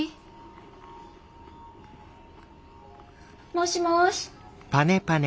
もしもし。